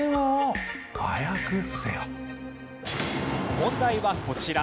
問題はこちら。